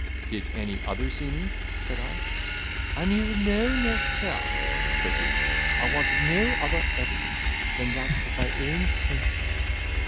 "Did any other see me?" said I. "I neither know nor care," said he; "I want no other evidence than that of my own senses."